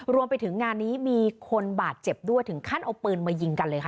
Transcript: รวมไปถึงงานนี้มีคนบาดเจ็บด้วยถึงขั้นเอาปืนมายิงกันเลยค่ะ